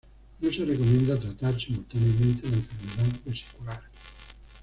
No se recomienda tratar simultáneamente la enfermedad vesicular.